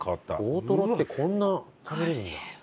大トロってこんな食べれるんだ。